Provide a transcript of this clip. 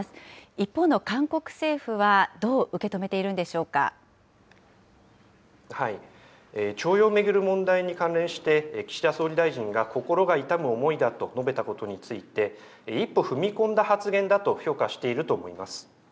一方の韓国政府はどう受け止めて徴用を巡る問題に関連して、岸田総理大臣が心が痛む思いだと述べたことについて、一歩踏み込んだ発言だと評価していると思います。